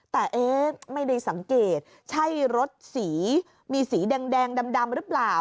แต่เอ๊ะไม่ได้สังเกตใช่รถสีมีสีแดงดำหรือเปล่า